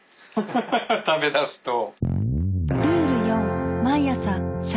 食べだすと。